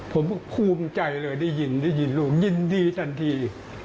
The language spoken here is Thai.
ผมก็ภูมิใจเลยได้ยินได้ยินลูกยินดีทันที